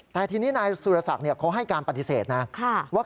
แต่ทีนี้นายสุรษักร์เขาให้การปฏิเสธนะครับว่าค่ะ